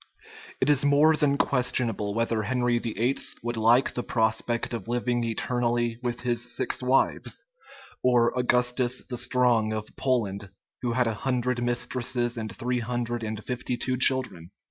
It is more than questionable whether Henry VIII. would like the prospect of living eternally with his six wives; or Augustus the Strong of Poland, who had a hundred mistresses and three hundred and fifty two children.